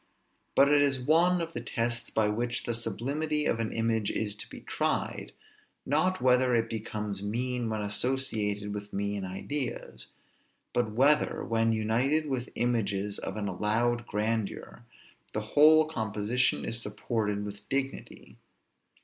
But it is one of the tests by which the sublimity of an image is to be tried, not whether it becomes mean when associated with mean ideas; but whether, when united with images of an allowed grandeur, the whole composition is supported with dignity.